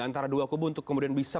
antara dua kubu untuk kemudian bisa